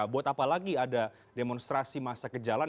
buat apa lagi ada demonstrasi masa kejalan